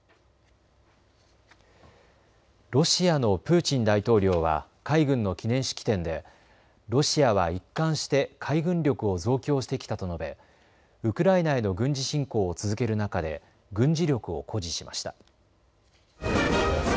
ロシアのプーチン大統領は海軍の記念式典でロシアは一貫して海軍力を増強してきたと述べウクライナへの軍事侵攻を続ける中で軍事力を誇示しました。